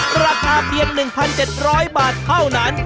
ราคาเพียง๑๗๐๐บาทเท่านั้น